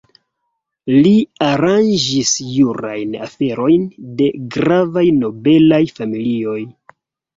Li aranĝis jurajn aferojn de gravaj nobelaj familioj.